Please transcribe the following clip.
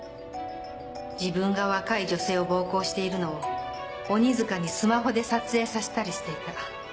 自分が若い女性を暴行しているのを鬼塚にスマホで撮影させたりしていた。